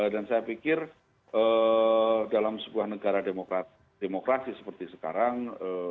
dan saya pikir dalam sebuah negara demokrasi seperti sekarang